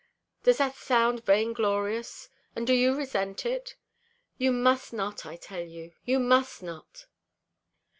Does that sound vainglorious, and do you resent it? You must not, I tell you, you must not!"